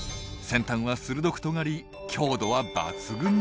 先端は鋭くとがり強度は抜群です。